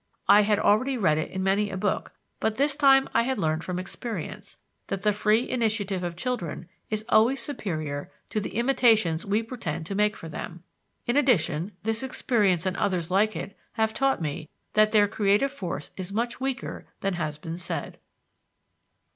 " "I had already read it in many a book, but this time I had learned from experience that the free initiative of children is always superior to the imitations we pretend to make for them. In addition, this experience and others like it have taught me that their creative force is much weaker than has been said."